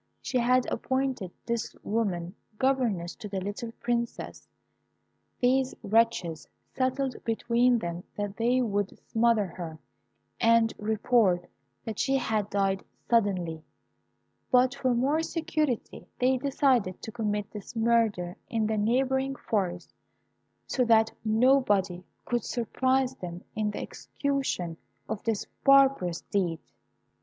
She had appointed this woman governess to the little Princess. These wretches settled between them that they would smother her, and report that she had died suddenly; but for more security they decided to commit this murder in the neighbouring forest, so that nobody could surprise them in the execution of this barbarous deed.